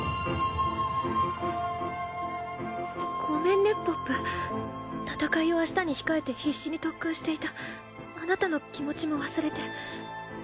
ごめんねポップ戦いを明日に控えて必死に特訓していたあなたの気持ちも忘れて。